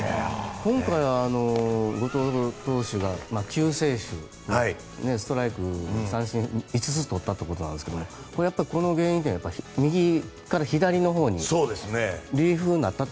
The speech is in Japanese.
今回は後藤投手が救世主でストライク、三振５つ取ったということですが原因は右から左のほうにリリーフになったと。